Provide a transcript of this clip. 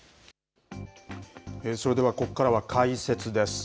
それでは、ここからは解説です。